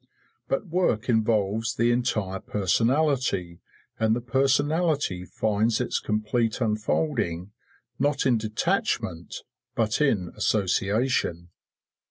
But work involves the entire personality, and the personality finds its complete unfolding, not in detachment, but in association.